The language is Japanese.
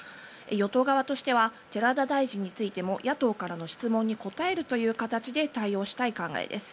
与党側としては寺田大臣についても野党からの質問に答えるという形で対応したい考えです。